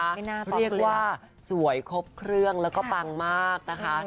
เรียกว่าสวยครบเครื่องแล้วก็ปังมากนะคะ